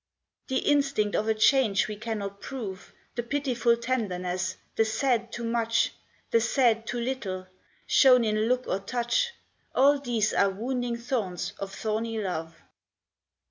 The instinct of a change we cannot prove, The pitiful tenderness, the sad too much, The sad too little, shown in look or touch, All these are wounding thorns of thorny love.